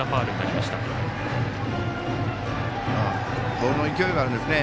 ボールの勢いがあるんですね。